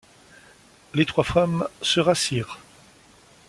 Les trois femmes se rassirent.